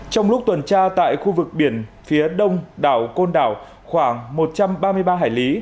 trong lúc tuần tra tại khu vực biển phía đông đảo côn đảo khoảng một trăm ba mươi ba hải lý